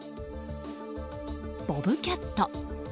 ボブキャット。